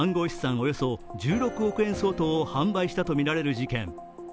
およそ１６億円相当を販売したとされる事件。